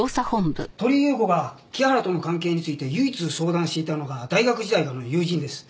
鳥居優子が木原との関係について唯一相談していたのが大学時代からの友人です。